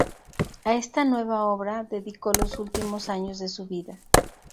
A esta nueva obra, dedicó los últimos años de su vida.